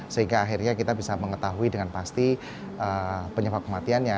sehingga akhirnya kita bisa mengetahui dengan pasti penyebab kematiannya